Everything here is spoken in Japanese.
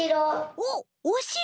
おっおしろ？